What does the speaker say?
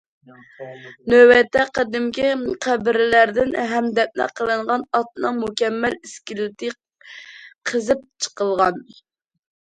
نۆۋەتتە، قەدىمكى قەبرىلەردىن ھەمدەپنە قىلىنغان ئاتنىڭ مۇكەممەل ئىسكىلىتى قېزىپ چىقىلغان.